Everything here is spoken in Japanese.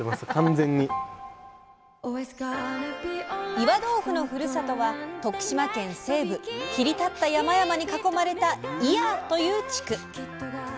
岩豆腐のふるさとは徳島県西部切り立った山々に囲まれた祖谷という地区。